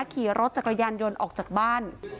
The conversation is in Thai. ขี่รถจักรยานยนต์ออกจากบ้าน